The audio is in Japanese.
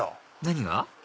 何が？